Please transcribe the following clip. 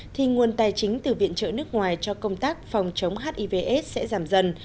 thì nguồn tài chính từ viện trợ nước ngoài cho công tác phòng chống hivs sẽ giảm dần